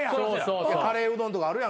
カレーうどんとかあるやんか。